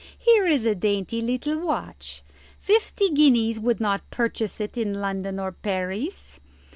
"Here is a dainty little watch. Fifty guineas would not purchase it in London or Paris.